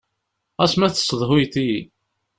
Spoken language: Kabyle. Ɣas ma tessedhuyeḍ-iyi.